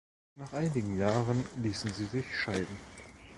Nach einigen Jahren ließen sie sich scheiden.